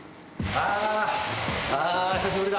ああー久しぶりだ。